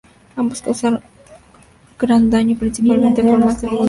Ambos causaron gran daño, principalmente en forma de inundaciones.